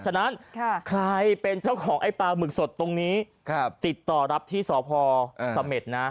ฉะนั้นใครเป็นเจ้าของไอ้ปลาหมึกสดตรงนี้ติดต่อรับที่สพเสม็ดนะ